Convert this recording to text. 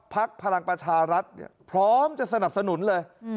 พลังประชารัฐพร้อมจะสนับสนุนเลย